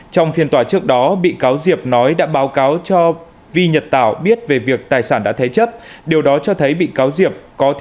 trong phiên tòa trước đó bị cáo diệp nói đã báo cáo cho vi nhật tảo biết về việc tài sản đã thế chấp